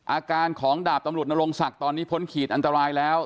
อาการของดาบตำรวจนรงศักดิ์ตอนนี้พ้นขีดอันตรายแล้ว